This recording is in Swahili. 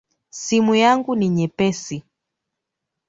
Simu yangu ni nyepesi